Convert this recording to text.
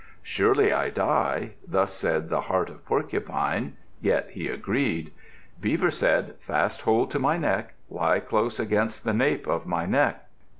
"Surely I die." Thus said the heart of Porcupine. Yet he agreed. Beaver said, "Fast hold to my neck. Lie close against the nape of my neck."